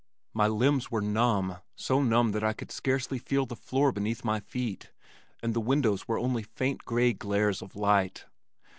My limbs were numb, so numb that I could scarcely feel the floor beneath my feet and the windows were only faint gray glares of light.